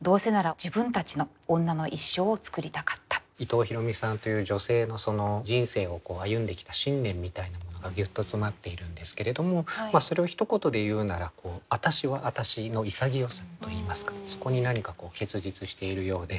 伊藤比呂美さんという女性の人生を歩んできた信念みたいなものがギュッと詰まっているんですけれどもそれをひと言で言うならそこに何か結実しているようで。